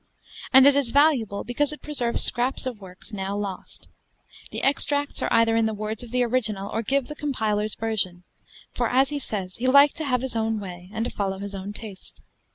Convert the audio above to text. And it is valuable because it preserves scraps of works now lost. The extracts are either in the words of the original, or give the compiler's version; for, as he says, he liked to have his own way and to follow his own taste.